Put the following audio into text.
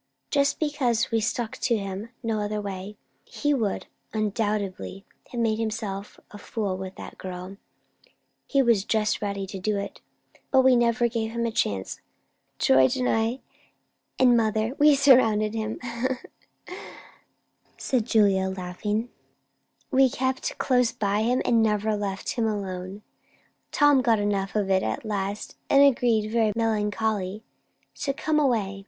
"Just because we stuck to him. No other way. He would undoubtedly have made a fool of himself with that girl he was just ready to do it but we never left him a chance. George and I, and mother, we surrounded him," said Julia, laughing; "we kept close by him; we never left them alone. Tom got enough of it at last, and agreed, very melancholy, to come away.